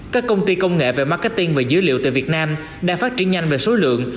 các công ty công nghệ về marketing và dữ liệu tại việt nam đang phát triển nhanh về số lượng